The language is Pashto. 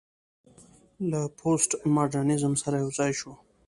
له پوسټ ماډرنيزم سره يوځاى شو